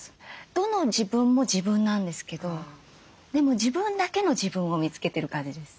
どの自分も自分なんですけどでも自分だけの自分を見つけてる感じです。